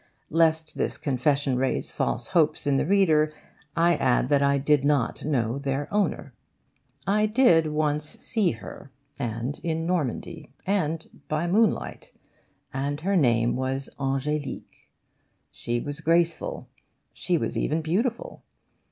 Lest this confession raise false hopes in the reader, I add that I did not know their owner. I did once see her, and in Normandy, and by moonlight, and her name was Ange'lique. She was graceful, she was even beautiful.